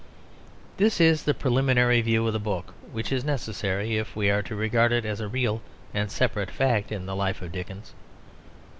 This is the preliminary view of the book which is necessary if we are to regard it as a real and separate fact in the life of Dickens.